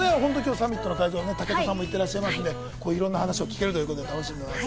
サミットの会場に武田さんも行ってらっしゃるので、いろんなお話を聞けるということで、楽しんで。